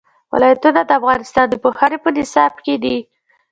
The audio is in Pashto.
ولایتونه د افغانستان د پوهنې په نصاب کې دي.